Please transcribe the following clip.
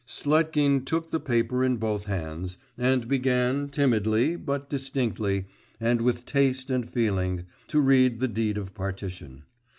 Sletkin took the paper in both hands, and began timidly, but distinctly, and with taste and feeling, to read the deed of partition.